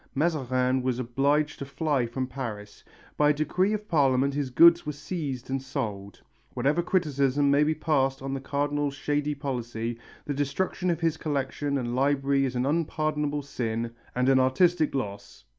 Mazarin was obliged to fly from Paris. By a decree of Parliament his goods were seized and sold. Whatever criticism may be passed on the Cardinal's shady policy, the destruction of his collection and library is an unpardonable sin and an artistic loss.